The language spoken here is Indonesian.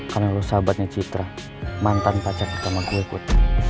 karena lo sahabatnya citra mantan pacar utama gue put